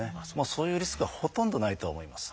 そういうリスクはほとんどないとは思います。